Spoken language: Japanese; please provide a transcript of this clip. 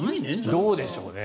どうでしょうね。